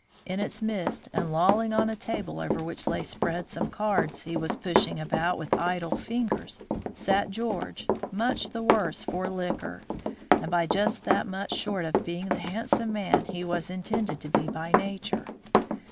In its midst, and lolling on a table over which lay spread some cards he was pushing about with idle fingers, sat George, much the worse for liquor, and by just that much short of being the handsome man he was intended to be by nature.